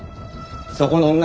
そこの女